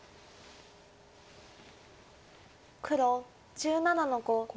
黒１７の五ハネ。